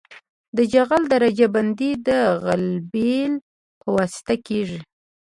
د جغل درجه بندي د غلبیل په واسطه کیږي